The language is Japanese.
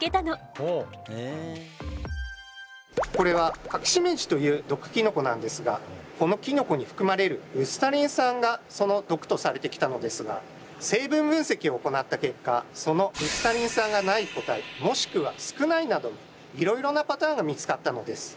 これはカキシメジという毒キノコなんですがこのキノコに含まれるウスタリン酸がその毒とされてきたのですが成分分析を行った結果そのウスタリン酸が無い個体もしくは少ないなどのいろいろなパターンが見つかったのです。